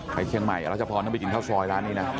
ไปเชียงใหม่แล้วจะพอต้องไปชิมข้าวซอยร้านนี้นะ